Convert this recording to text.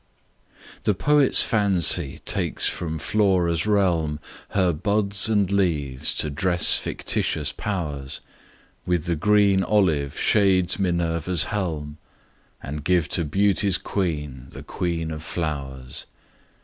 The poet's fancy takes from Flora's realm Her buds and leaves to dress fictitious powers, With the green olive shades Minerva's helm, And give to Beauty's queen, the queen of flowers.